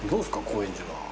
高円寺は。